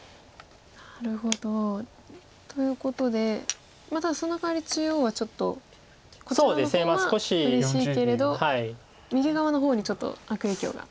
なるほど。ということでただそのかわり中央はちょっとこちらの方はうれしいけれど右側の方にちょっと悪影響が。